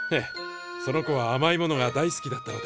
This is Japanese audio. その子はあまいものが大好きだったので。